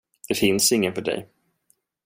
Det finns ingen för dig.